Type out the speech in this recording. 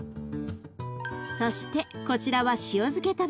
そしてこちらは塩漬け卵。